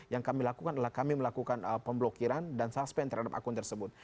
yang kami lakukan adalah kami melakukan pemblokiran dan suspend terhadap akun tersebut